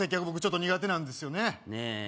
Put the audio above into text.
僕ちょっと苦手なんですよねねえ